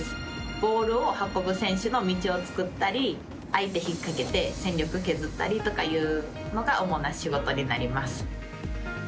ボールを運ぶ選手の道を作ったり相手、引っ掛けて戦力削ったりというのが主な仕事になります。